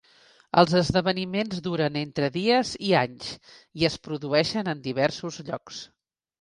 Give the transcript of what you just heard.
Els esdeveniments duren entre dies i anys, i es produeixen en diversos llocs.